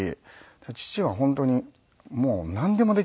父は本当にもうなんでもできましたね